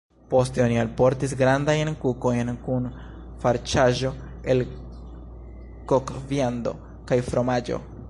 Poste oni alportis grandajn kukojn kun farĉaĵo el kokviando kaj fromaĝo.